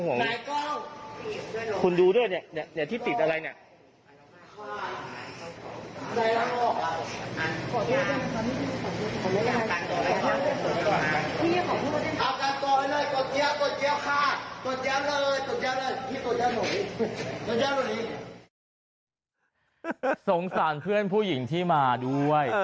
จังหวัดนี้เพื่อนผู้หญิงที่มาด้วย